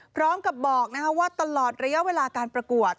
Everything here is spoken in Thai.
พร้อมกับบอกว่าตลอดระยะเวลาการประกวด